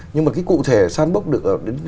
nhưng mà cái cụ thể san bốc được